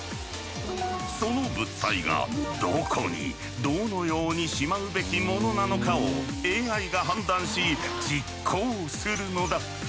その物体がどこにどのようにしまうべきものなのかをＡＩが判断し実行するのだ。